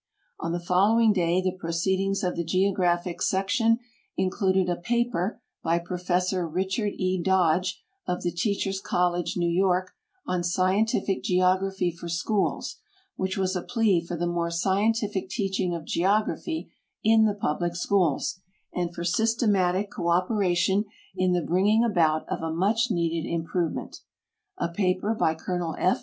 On the following day the proceedings of the Geographic Sec tion included a paper by Prof, Richard E, Dodge, of the Teachers College, New York, on Scientific Geography for Schools, which was a plea for the more scientific teaching of geography in the public schools and for systematic cooperation in the bringing about of a much needed improvement ; a paper by Col. F.